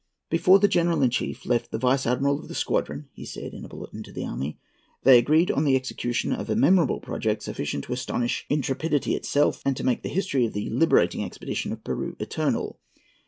"Before the General in Chief left the Vice Admiral of the squadron," he said, in a bulletin to the army, "they agreed on the execution of a memorable project, sufficient to astonish intrepidity itself, and to make the history of the liberating expedition of Peru eternal."